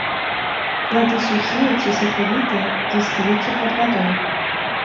Плады сухія ці сакавітыя, застаюцца пад вадой.